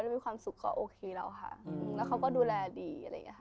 ถ้ามีความสุขก็โอเคแล้วค่ะแล้วเขาก็ดูแลดี